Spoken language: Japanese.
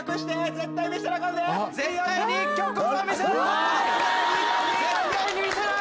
絶対に見せない！